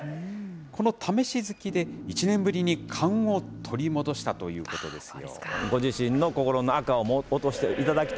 この試しづきで１年ぶりに勘を取り戻したということですよ。